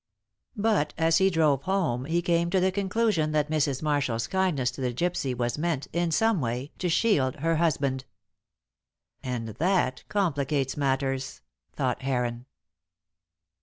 But as he drove home he came to the conclusion that Mrs. Marshall's kindness to the gypsy was meant, in some way, to shield her husband. "And that complicates matters," thought Heron.